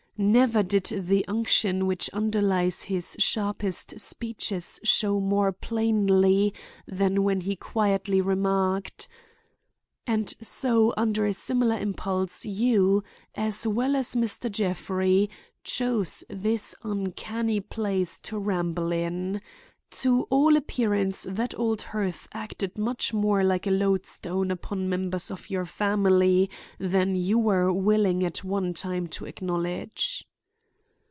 Never did the unction which underlies his sharpest speeches show more plainly than when he quietly remarked: "And so under a similar impulse you, as well as Mr. Jeffrey, chose this uncanny place to ramble in. To all appearance that old hearth acted much more like a lodestone upon members of your family than you were willing at one time to acknowledge."